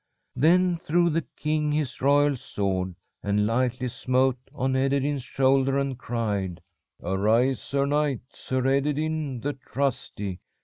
"Then drew the king his royal sword and lightly smote on Ederyn's shoulder, and cried: 'Arise, Sir Knight, Sir Ederyn the Trusty.